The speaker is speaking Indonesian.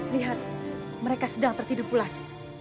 lihat mereka sedang tertidur pulas